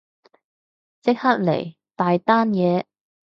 即刻嚟，大單嘢